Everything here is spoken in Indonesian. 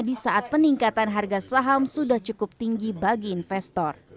di saat peningkatan harga saham sudah cukup tinggi bagi investor